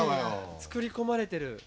作り込まれてる。